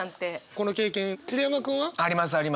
この経験桐山君は？ありますあります。